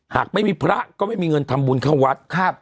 หากไม่มีพระก็ไม่มีเงินทำบุญเข้าวัด